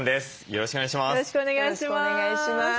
よろしくお願いします。